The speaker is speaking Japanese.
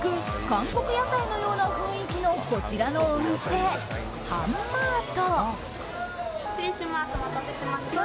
韓国屋台のような雰囲気のこちらのお店、ハンマート。